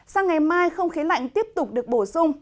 sang ngày mai không khí lạnh tiếp tục được bổ sung